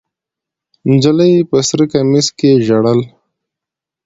نجلۍ په سره کمیس کې ژړل.